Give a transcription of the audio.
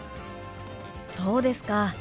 そうですか。